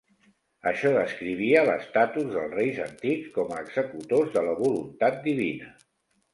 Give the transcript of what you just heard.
Això descrivia l'estatus dels reis antics com a executors de la voluntat divina.